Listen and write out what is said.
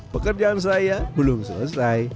pekerjaan saya belum selesai